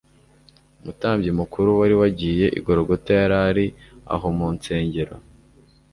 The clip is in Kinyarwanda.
Umutambyi mukuru wari wagiye i Gologota yari ari aho mu ntsengero,